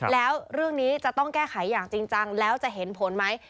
แล้วเรื่องนี้จะต้องแก้ไขอย่างจริงจังแล้วจะเห็นผลไหม